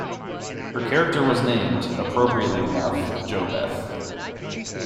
Her character was named, appropriately enough, JoBeth.